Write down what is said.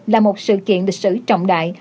là một sự kiện lịch sử trọng đại